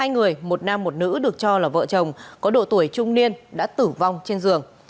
hai người một nam một nữ được cho là vợ chồng có độ tuổi trung niên đã tử vong trên giường